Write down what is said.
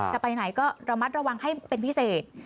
จะไปไหนก็ระมัดระวังให้เป็นพิเศษ